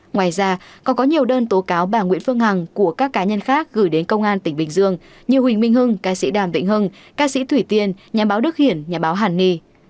ngoài ra còn có nhiều đơn tố cáo bà nguyễn phương hằng của các cá nhân khác gửi đến công an tp hcm như huỳnh minh hưng ca sĩ đàm vĩnh hưng ca sĩ thủy tiên nhà báo đức hiển nhà báo hẳn nghì